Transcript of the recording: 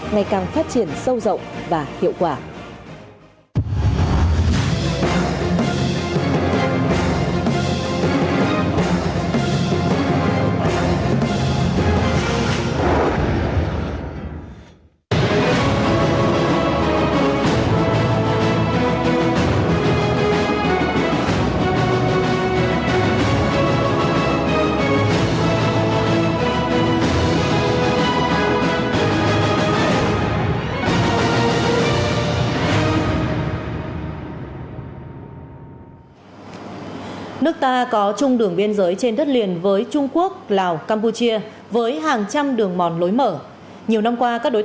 ngày càng phát triển sâu rộng và hiệu quả